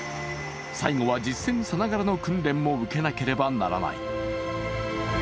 最後は実戦さながらの訓練も受けなければならない。